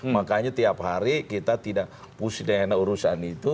makanya tiap hari kita tidak pusih dengan urusan itu